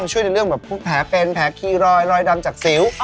ช่วยในเรื่องแบบพวกแผลเป็นแผลคีรอยรอยดำจากสิว